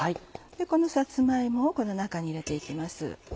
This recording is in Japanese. このさつま芋をこの中に入れて行きます。